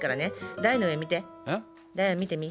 台の上見てみ。